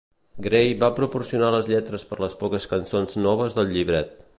Grey va proporcionar les lletres per les poques cançons noves del llibret.